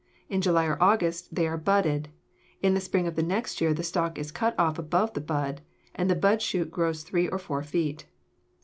In July or August they are budded. In the spring of the next year the stock is cut off above the bud, and the bud shoot grows three or four feet.